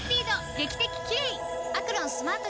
劇的キレイ！